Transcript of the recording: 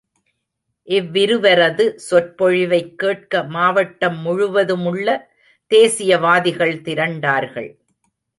இவ்விருவரது சொற்பொழிவைக் கேட்க மாவட்டம் முழுவதுமுள்ள தேசியவாதிகள் திரண்டார்கள்.